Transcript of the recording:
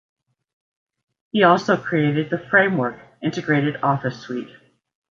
He also created the Framework integrated office suite.